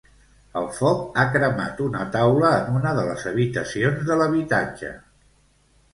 El foc ha cremat una taula en una de les habitacions de l'habitatge.